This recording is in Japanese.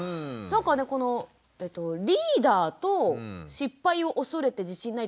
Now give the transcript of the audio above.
なんかねこのリーダーと失敗を恐れて自信ないって